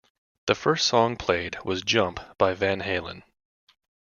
The first song played was "Jump" by Van Halen.